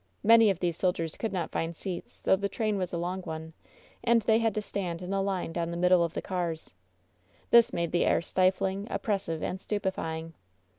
Many of these soldiers could not find seats, though the train was a long one, and they had to stand in a line down the mid dle of the cars. This made the air stifling, oppressive and stupefying.